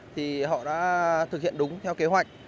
thì họ đã thực hiện đúng theo kế hoạch